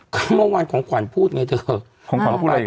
อืมเขาเมื่อวานของขวัญพูดไงเธอของขวัญเขาพูดอะไรอีก